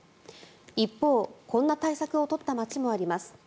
一方、こんな対策を取った町もあります。